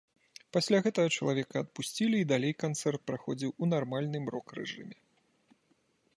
Пасля гэтага чалавека адпусцілі і далей канцэрт праходзіў у нармальным рок-рэжыме.